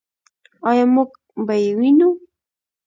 آیا موږ به یې ووینو؟